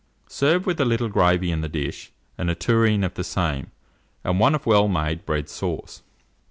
Serve with a little gravy in the dish, and a tureen of the same, and one of well made bread sauce.